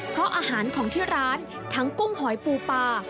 เพราะอาหารของที่ร้านทั้งกุ้งหอยปูปลา